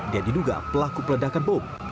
dia diduga pelaku peledakan bom